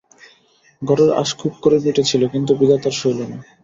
ঘরের আশ খুব করেই মিটেছিল, কিন্তু বিধাতার সইল না।